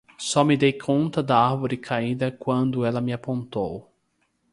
Só me dei conta da árvore caída quando ela me apontou.